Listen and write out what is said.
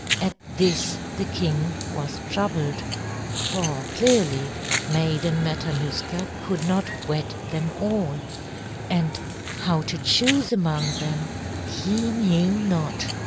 At this the king was troubled, for clearly Maiden Matanuska could not wed them all, and how to choose among them he knew not.